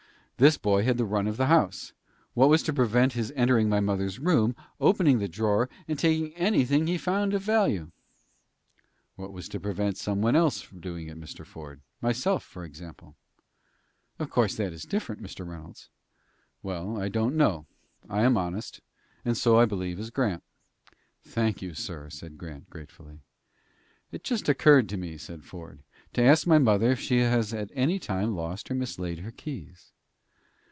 This boy had the run of the house. What was to prevent his entering my mother's room, opening the drawer, and taking anything he found of value?" "What was to prevent some one else doing it, Mr. Ford myself, for example?" "Of course that is different, Mr. Reynolds." "Well, I don't know. I am honest, and so, I believe, is Grant." "Thank you, sir," said Grant, gratefully. "It just occurred to me," said Ford, "to ask my mother if she has at any time lost or mislaid her keys."